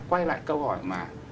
quay lại câu hỏi mà